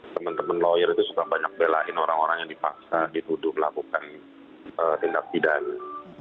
teman teman lawyer itu suka banyak belain orang orang yang dipaksa dituduh melakukan tindak pidana